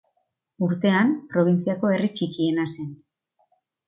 Urtean, probintziako herri txikiena zen.